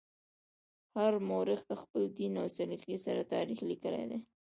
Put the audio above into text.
هر مورخ د خپل دین او سلیقې سره تاریخ لیکلی دی.